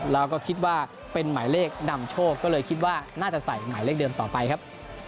แล้วก็คิดว่าเป็นหมายเลขนำโชคก็เลยคิดว่าน่าจะใส่หมายเลขเดิมต่อไปครับ